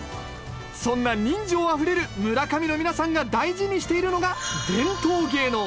そんな人情あふれる村上の皆さんが大事にしているのが伝統芸能。